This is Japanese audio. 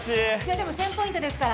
でも１０００ポイントですから。